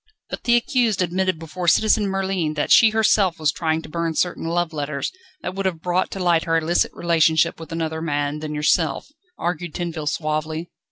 "But the accused admitted before Citizen Merlin that she herself was trying to burn certain love letters, that would have brought to light her illicit relationship with another man than yourself," argued Tinville suavely.